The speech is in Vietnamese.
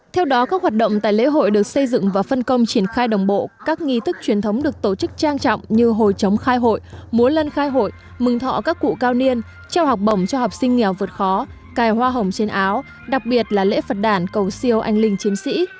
theo đó các hoạt động tại lễ hội được xây dựng và phân công triển khai đồng bộ các nghi thức truyền thống được tổ chức trang trọng như hồi chống khai hội múa lân khai hội mừng thọ các cụ cao niên trao học bổng cho học sinh nghèo vượt khó cài hoa hồng trên áo đặc biệt là lễ phật đàn cầu siêu anh linh chiến sĩ